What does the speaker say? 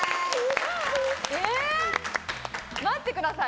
待ってください。